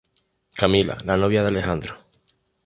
Camila, la novia de Alejandro.